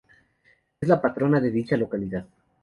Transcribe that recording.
Es la patrona de dicha localidad.